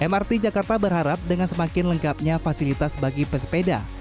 mrt jakarta berharap dengan semakin lengkapnya fasilitas bagi pesepeda